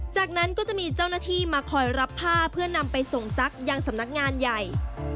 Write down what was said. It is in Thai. จากนั้นก็จะมีเจ้าหน้าที่มาคอยรับผ้าเพื่อนำไปส่งซักยังสำนักงานใหญ่